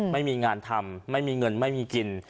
ไม่มีงานทำไม่มีเงินไม่มีกิน